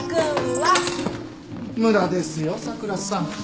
無駄ですよ佐倉さん。